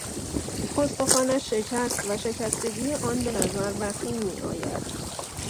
استخوانش شکست و شکستگی آن به نظر وخیم میآید.